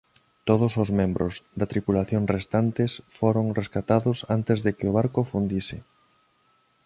Todos os membros da tripulación restantes foron rescatados antes de que o barco afundise.